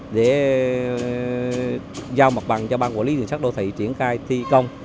để giao mặt bằng cho ban quản lý điện sách đô thị triển khai thi công